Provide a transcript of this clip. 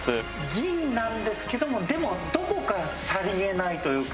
銀なんですけどもでもどこかさりげないというか。